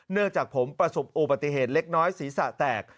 เนื่องจากผมประสบอุบัติเหตุเล็กน้อยศีรษะแตก